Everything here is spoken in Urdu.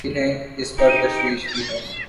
انہیں اس پر تشویش بھی ہے۔